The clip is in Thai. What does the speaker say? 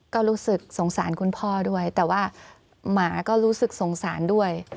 ก็รู้สึกสงสารคุณพ่อด้วยแต่ว่าหมาก็รู้สึกสงสารด้วย